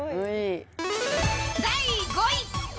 第５位。